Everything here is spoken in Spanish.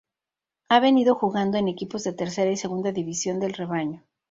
Ha venido jugando en equipos de tercera y segunda división del "Rebaño".